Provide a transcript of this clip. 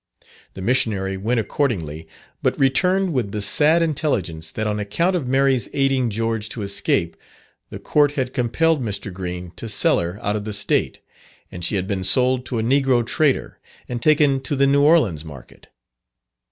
The missionary went accordingly, but returned with the sad intelligence that on account of Mary's aiding George to escape, the court had compelled Mr. Green to sell her out of the State, and she had been sold to a Negro trader and taken to the New Orleans market.